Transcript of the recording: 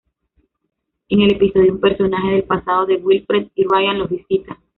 En el episodio, un personaje del pasado de Wilfred y Ryan los visita.